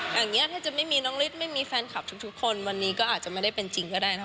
อย่างนี้ถ้าจะไม่มีน้องฤทธิ์ไม่มีแฟนคลับทุกคนวันนี้ก็อาจจะไม่ได้เป็นจริงก็ได้นะคะ